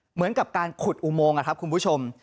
เหมือนกับการคุดอุโมงคุณผู้ชม